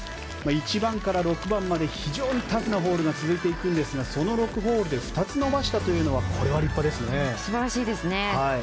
１番から６番まで非常にタフなホールが続いていくんですがその６ホールで２つ伸ばしたというのは素晴らしいですね。